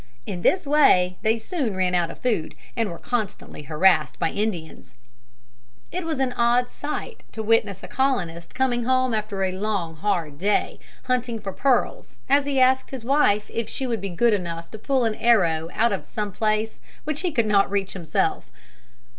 In this way they soon ran out of food, and were constantly harassed by Indians. [Illustration: COULD NOT REACH THEM.] It was an odd sight to witness a colonist coming home after a long hard day hunting for pearls as he asked his wife if she would be good enough to pull an arrow out of some place which he could not reach himself.